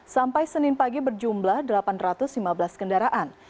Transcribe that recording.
sampai senin pagi berjumlah delapan ratus lima belas kendaraan